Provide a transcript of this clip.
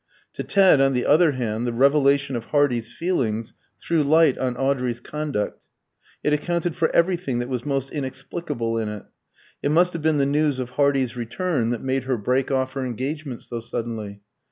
To Ted, on the other hand, the revelation of Hardy's feelings threw light on Audrey's conduct. It accounted for everything that was most inexplicable in it. It must have been the news of Hardy's return that made her break off her engagement so suddenly.